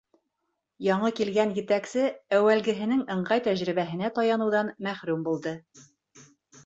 Яңы килгән етәксе әүәлгеһенең ыңғай тәжрибәһенә таяныуҙан мәхрүм булды.